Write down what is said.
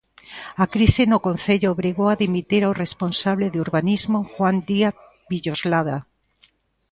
A crise no concello obrigou a dimitir ao responsable de urbanismo, Juan Díaz Villoslada.